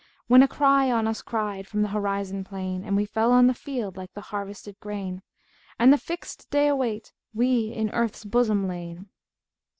When a Cry on us cried * From th' horizon plain, And we fell on the field * Like the harvested grain, And the Fixt Day await * We, in earth's bosom lain!'"